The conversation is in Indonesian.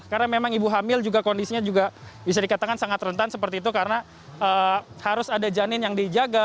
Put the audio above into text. karena memang ibu hamil juga kondisinya bisa dikatakan sangat rentan seperti itu karena harus ada janin yang dijaga